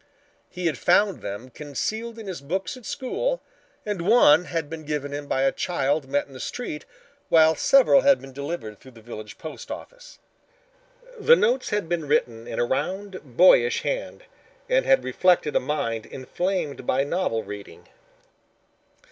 He had found them concealed in his books at school and one had been given him by a child met in the street, while several had been delivered through the village post office. The notes had been written in a round, boyish hand and had reflected a mind inflamed by novel reading.